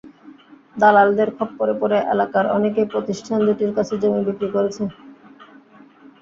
দালালদের খপ্পরে পড়ে এলাকার অনেকেই প্রতিষ্ঠান দুটির কাছে জমি বিক্রি করেছে।